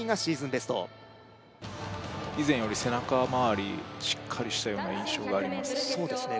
ベスト以前より背中まわりしっかりしたような印象がありますそうですね